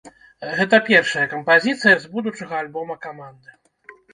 Гэта першая кампазіцыя з будучага альбома каманды.